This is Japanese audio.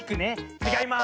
ちがいます！